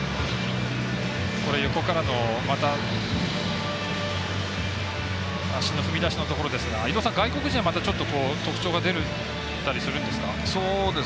これ、横からの足の踏み出しのところですが外国人はまた特徴が出たりするんですか？